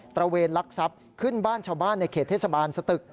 ระเวนลักทรัพย์ขึ้นบ้านชาวบ้านในเขตเทศบาลสตึก